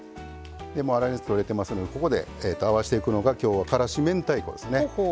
粗熱とれてますのでここで合わせていくのが今日はからし明太子ですね。